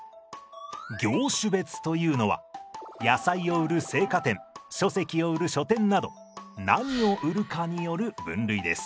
業種別というのは野菜を売る青果店書籍を売る書店など何を売るかによる分類です。